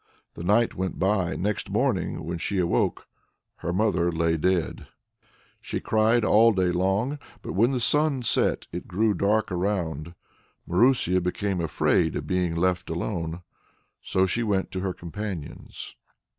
The night went by; next morning, when she awoke, her mother lay dead! She cried all day long; but when the sun set, and it grew dark around, Marusia became afraid of being left alone; so she went to her companions.